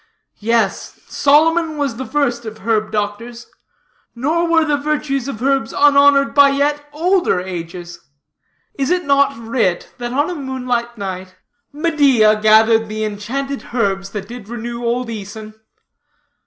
Yes, Solomon was the first of herb doctors. Nor were the virtues of herbs unhonored by yet older ages. Is it not writ, that on a moonlight night, "Medea gathered the enchanted herbs That did renew old Æson?"